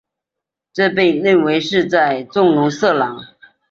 这被认为是在纵容色狼。